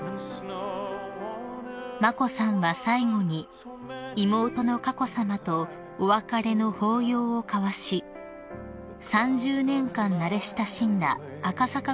［眞子さんは最後に妹の佳子さまとお別れの抱擁を交わし３０年間慣れ親しんだ赤坂